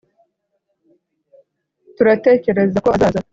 turatekereza ko azaza